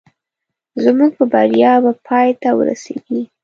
زموږ په بریا به پای ته ورسېږي